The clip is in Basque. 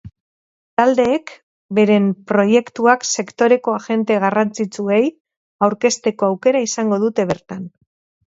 Taldeek beren proiektuak sektoreko agente garrantzitsuei aurkezteko aukera izango dute bertan.